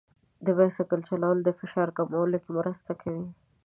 د بایسکل چلول د فشار کمولو کې مرسته کوي.